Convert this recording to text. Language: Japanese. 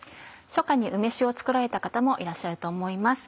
初夏に梅酒を作られた方もいらっしゃると思います。